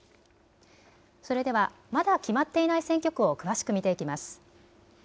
それではまだ決まっていない選挙区を詳しく見ていきます。